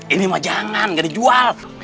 ini mah jangan nggak dijual